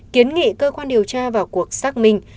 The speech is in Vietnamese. kiến nghị cơ quan điều tra vào cuộc xác minh